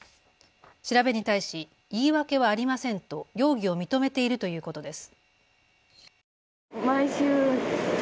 調べに対し言い訳はありませんと容疑を認めているということです。